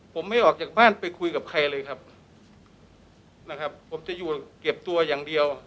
ผมไม่ออกจากบ้านไปคุยกับใครเลยครับนะครับผมจะอยู่เก็บตัวอย่างเดียว